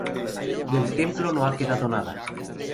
Del templo no ha quedado nada.